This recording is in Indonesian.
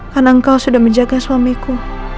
karena engkau sudah menjaga suamiku